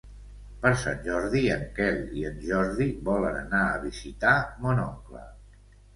Per Sant Jordi en Quel i en Jordi volen anar a visitar mon oncle.